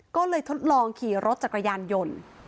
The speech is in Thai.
ก็เลยทดลองขี่รถจักรยานยนต์